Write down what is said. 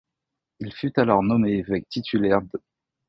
Il fut alors nommé évêque titulaire d'.